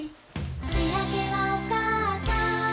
「しあげはおかあさん」